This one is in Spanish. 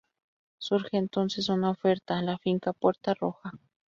Surge entonces una oferta: La Finca Puerta Roja.